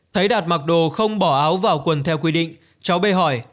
thấy đạt mặc đồ không bỏ áo vào quần theo quy định cháu bê hỏi